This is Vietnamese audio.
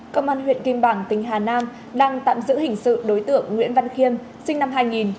công an huyện kim bảng tỉnh hà nam đang tạm giữ hình sự đối tượng nguyễn văn khiêm sinh năm hai nghìn